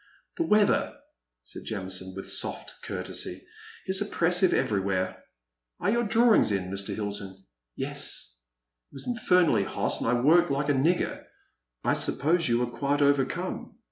" The weather," said Jamison, with soft cour tesy, '* is oppressive everywhere. Are your draw ings in, Mr. Hilton ?"Yes. It was infernally hot and I worked like ' a nigger ^"I suppose you were quite overcome.